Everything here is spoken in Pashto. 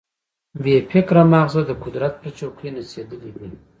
بې فکره ماغزه د قدرت پر چوکۍ نڅېدلي دي.